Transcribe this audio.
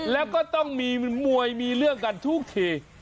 แล้วก็ต้องมีมวยมีเรื่องกันทุกที